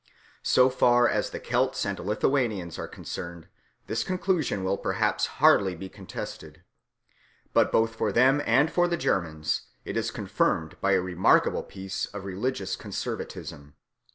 So far as the Celts and Lithuanians are concerned, this conclusion will perhaps hardly be contested. But both for them and for the Germans it is confirmed by a remarkable piece of religious conservatism.